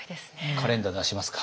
カレンダー出しますか。